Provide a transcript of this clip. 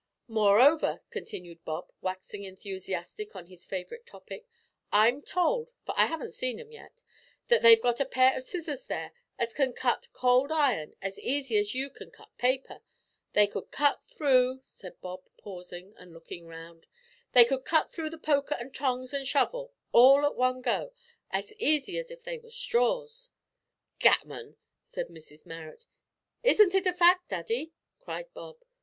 "Moreover," continued Bob, waxing enthusiastic on his favourite topic, "I'm told, for I haven't seen 'em yet, that they've got a pair o' scissors there as can cut cold iron as easy as you can cut paper they could cut through," said Bob, pausing and looking round, "they could cut through the poker and tongs and shovel, all at one go, as easy as if they was straws." "Gammon!" said Mrs Marrot. "Isn't it a fact, daddy?" cried Bob.